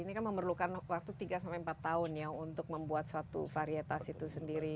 ini kan memerlukan waktu tiga sampai empat tahun ya untuk membuat suatu varietas itu sendiri